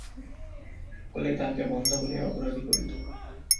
সকলেই তাহাকে বন্ধ্যা বলিয়া অপরাধী করিত।